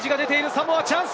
サモア、チャンス。